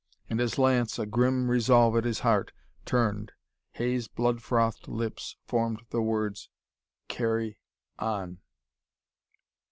And, as Lance, a grim resolve at his heart, turned, Hay's blood frothed lips formed the words: "Carry on!"